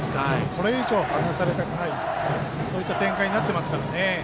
これ以上、離されたくないそういった展開になってますから。